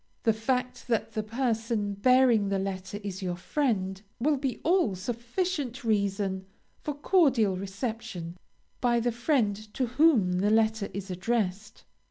The fact that the person bearing the letter is your friend, will be all sufficient reason for cordial reception by the friend to whom the letter is addressed.